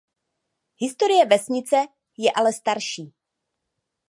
Historie vesnice je ale starší.